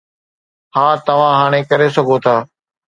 ها، توهان هاڻي ڪري سگهو ٿا